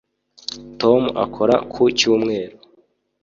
tom akora ku cyumweru